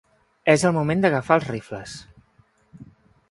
És el moment d’agafar els rifles.